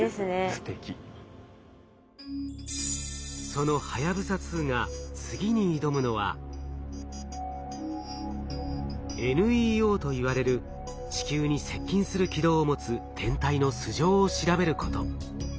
そのはやぶさ２が次に挑むのは「ＮＥＯ」といわれる地球に接近する軌道を持つ天体の素性を調べること。